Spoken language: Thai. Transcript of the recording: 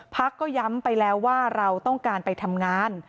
พักก็ย้ำไปแล้วว่าเราต้องการไปทำงาน